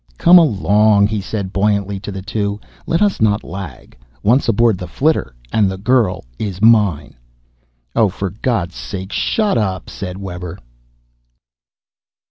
"Come along," he said buoyantly to the two. "Let us not lag. Once aboard the flitter and the girl is mine." "Oh for God's sake shut up," said Webber.